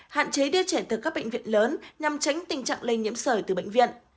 hạn chế đưa trẻ từ các bệnh viện lớn nhằm tránh tình trạng lây nhiễm sởi từ bệnh viện